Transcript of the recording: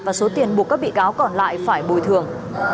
và số tiền buộc các bị cáo còn lại phải bồi thường